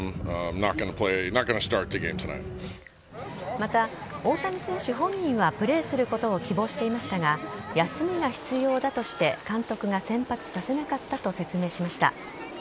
また、大谷選手本人はプレーすることを希望していましたが休みが必要だとして監督が先発させなかったと説明しました。